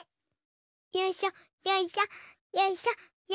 よいしょよいしょよいしょよいしょ。